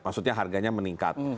maksudnya harganya meningkat